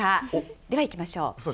では行きましょう。